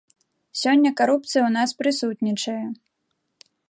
Сёння карупцыя ў нас прысутнічае!